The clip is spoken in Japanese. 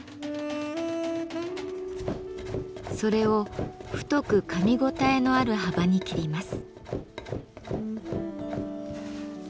それを太くかみごたえのある幅に切ります。